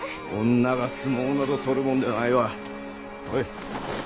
女が相撲など取るもんではないわ。ほい。